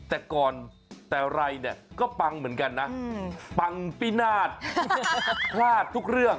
แต่ก่อนแต่ไรเนี่ยก็ปังเหมือนกันนะปังปินาศพลาดทุกเรื่อง